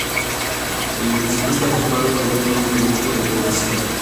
El municipio está formado por un único núcleo de población.